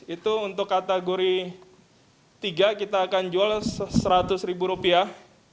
dua puluh satu lima ratus itu untuk kategori tiga kita akan jual seratus ribu rupiah